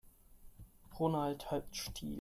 Ronald hat Stil.